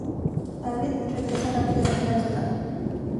David regresa rápidamente al sótano.